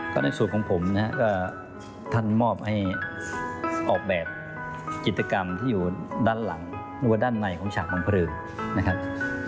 ก็ในส่วนของผมนะครับก็ท่านมอบให้ออกแบบกิจกรรมที่อยู่ด้านหลังนัวด้านในของฉากบังเพลิงนะครับ